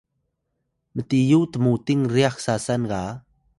mtiyu tmuting ryax sasan ga